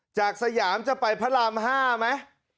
จากสยามจะไปพระรามห้าไหม